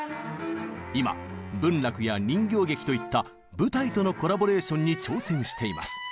今文楽や人形劇といった舞台とのコラボレーションに挑戦しています。